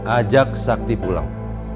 ajak sakti pulang